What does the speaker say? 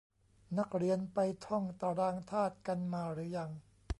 นักเรียนไปท่องตารางธาตุกันมาหรือยัง